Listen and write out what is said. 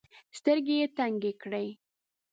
سترګي یې تنګي کړې .